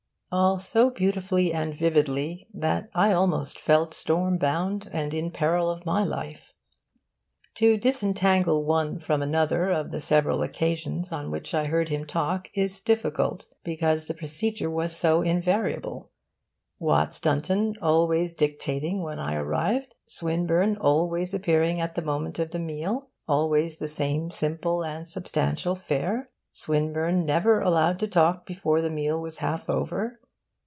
all so beautifully and vividly that I almost felt stormbound and in peril of my life. To disentangle one from another of the several occasions on which I heard him talk is difficult because the procedure was so invariable: Watts Dunton always dictating when I arrived, Swinburne always appearing at the moment of the meal, always the same simple and substantial fare, Swinburne never allowed to talk before the meal was half over.